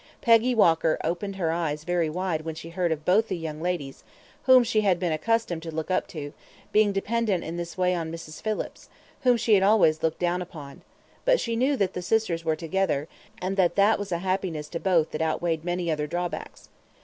Peggy Walker opened her eyes very wide when she heard of both the young ladies, whom she had been accustomed to look up to, being dependent in this way on Mrs. Phillips, whom she had always looked down upon; but she knew that the sisters were together, and that that was a happiness to both that outweighed many other drawbacks.